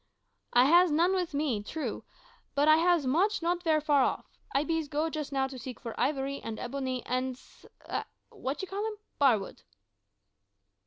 "I has none wis me, true, bot I has moche not ver' far off. I bees go just now to seek for ivory, and ebony, and sl a w'at you call him? barwood."